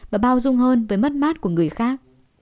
và bao dung hơn với mất mát của người khác